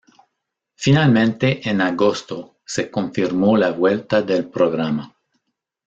Finalmente en agosto se confirmó la vuelta del programa.